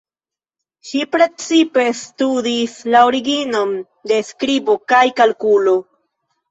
Ŝi precipe studis la originon de skribo kaj kalkulo.